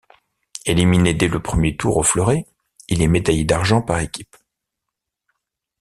Éliminé dès le premier tour au fleuret, il est médaillé d'argent par équipes.